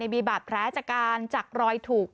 มีบาดแผลจากการจากรอยถูก